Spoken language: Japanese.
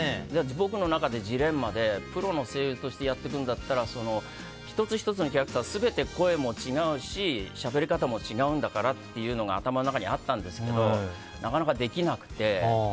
僕の中でジレンマでプロの声優としてやっていくなら１つ１つのキャラクター全て声も違うししゃべり方も違うんだからっていうのが頭の中にあったんですけどなかなかできなくて。